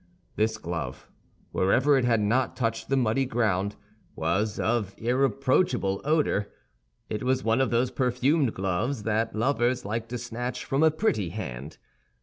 This glove, wherever it had not touched the muddy ground, was of irreproachable odor. It was one of those perfumed gloves that lovers like to snatch from a pretty hand.